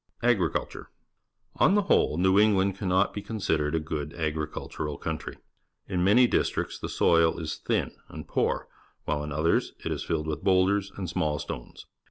Agriculture. — On the whole, New Eng land cannot be considered a good agricultural country. In many districts the soil is thin and poor, while in others it is filled with boulders and small stones.